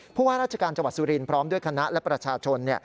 ผู้ว่าราชการจังหวัดสุรินทร์พร้อมด้วยคณะและประชาชน